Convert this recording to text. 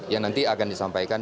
yang nanti akan disampaikan